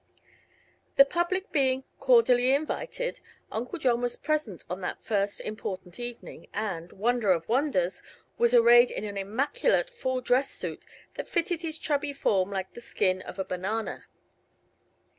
The public being "cordially invited" Uncle John was present on that first important evening, and wonder of wonders was arrayed in an immaculate full dress suit that fitted his chubby form like the skin of a banana.